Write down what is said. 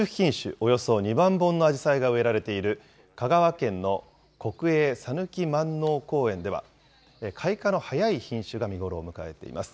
およそ２万本のアジサイが植えられている香川県の国営讃岐まんのう公園では、開花の早い品種が見頃を迎えています。